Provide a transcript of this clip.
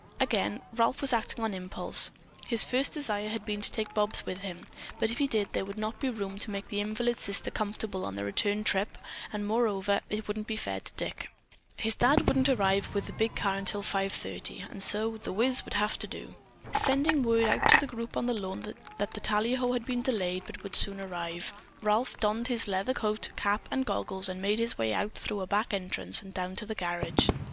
Again Ralph was acting on impulse. His first desire had been to take Bobs with him, but if he did there would not be room to make the invalid sister comfortable on the return trip, and, moreover, it wouldn't be fair to Dick. His dad wouldn't arrive with the big car until five thirty, and so The Whizz would have to do. Sending word out to the group on the lawn that the tallyho had been delayed but would soon arrive, Ralph donned his leather coat, cap and goggles and made his way out through a back entrance and down to the garage.